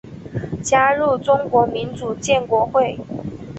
加入中国民主建国会。